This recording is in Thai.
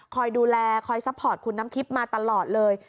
คอยดูแลคอยซัพพอร์ตคุณน้ำทิพย์มาตลอดเลย